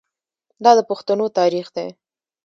دا د پښتنو تاریخ دی.